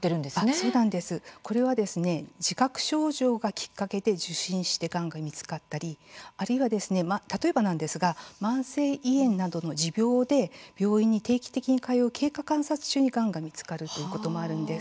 そうなんですこれは自覚症状がきっかけで受診してがんが見つかったり例えばなんですが慢性胃炎などの持病で病院に定期的に通っている経過観察中に、がんが見つかることもあるんです。